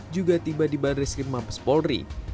juga tiba di baris limah pes polri